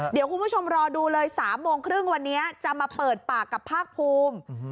เดี๋ยวคุณผู้ชมรอดูเลย๓โมงครึ่งวันนี้จะมาเปิดปากกับภาคภูมิ